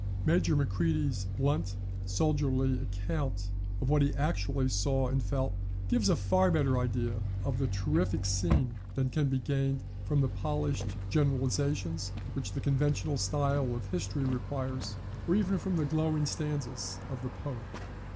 Major Macready's blunt soldierly account of what he actually saw and felt, gives a far better idea of the terrific scene, than can be gained from the polished generalisations which the conventional style of history requires, or even from the glowing stanzas of the poet.